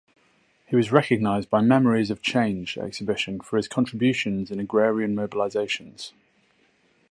He was recognised by Memories of Change exhibition for his contributions in Agrarian Mobilisations.